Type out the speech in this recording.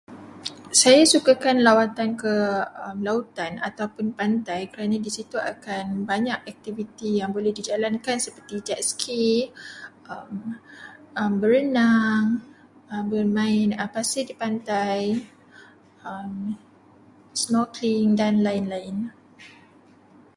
Saya sukakan lawatan ke lautan ataupun pantai, kerana di situ akan banyak aktiviti yang boleh dijalankan seperti jetski, berenang, bermain pasir di pantai, snorkeling dan lain-lain.